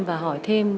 và hỏi thêm